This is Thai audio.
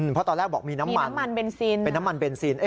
เพราะตอนแรกบอกมีน้ำมันน้ำมันเบนซินเป็นน้ำมันเบนซิน